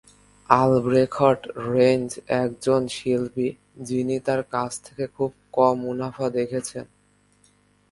Albrecht Rains একজন শিল্পী যিনি তার কাজ থেকে খুব কম মুনাফা দেখেছেন।